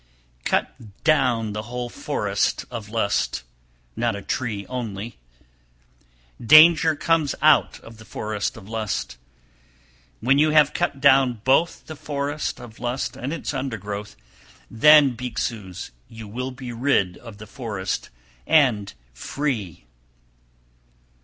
283. Cut down the whole forest (of lust), not a tree only! Danger comes out of the forest (of lust). When you have cut down both the forest (of lust) and its undergrowth, then, Bhikshus, you will be rid of the forest and free!